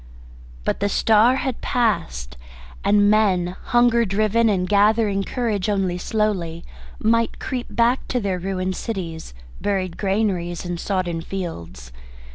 But the star had passed, and men, hunger driven and gathering courage only slowly, might creep back to their ruined cities, buried granaries, and sodden fields.